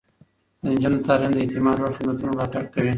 د نجونو تعليم د اعتماد وړ خدمتونه ملاتړ کوي.